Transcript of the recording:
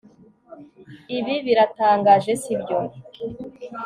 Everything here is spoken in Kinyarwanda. Ibi biratangaje sibyo